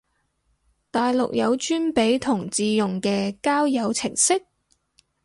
大陸有專俾同志用嘅交友程式？